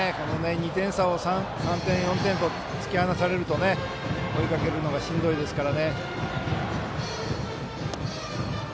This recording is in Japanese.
２点差を３点、４点と突き放されると追いかけるのがしんどいですから。